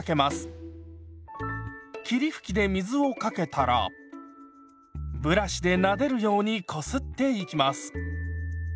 霧吹きで水をかけたらブラシでなでるようにこすっていきます。